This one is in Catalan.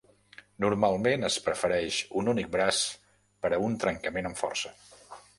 Normalment, es prefereix un únic braç per a un trencament amb força.